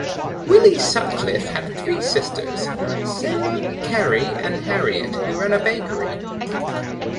Willie Sutcliffe had three sisters, Sarah, Carrie and Harriet, who ran a bakery.